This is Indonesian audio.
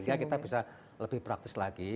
sehingga kita bisa lebih praktis lagi